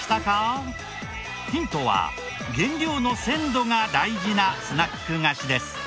ヒントは原料の鮮度が大事なスナック菓子です。